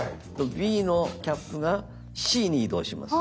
ＢのキャップがＣに移動します。